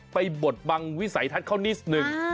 บดบังวิสัยทัศน์เขานิดนึง